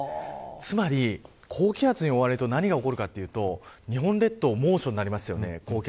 つまり高気圧に覆われると何が起こるかというと日本列島が猛暑になりますよね。